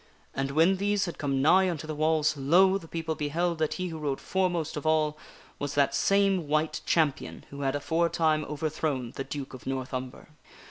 And when these had come nigh unto the walls, lo ! the people beheld that he who rode foremost of ail was that same White Champion who had aforetime overthrown the Duke of North Umber.